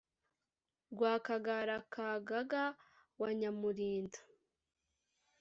Rwakagara ka Gaga wa nyamurinda